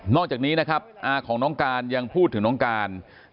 อกจากนี้นะครับอาของน้องการยังพูดถึงน้องการ